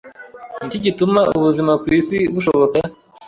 Ni iki gituma ubuzima ku isi bushoboka